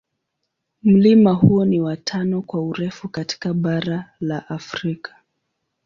Mlima huo ni wa tano kwa urefu katika bara la Afrika.